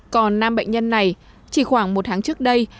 còn nam bệnh nhân này chỉ khoảng một tháng trước đây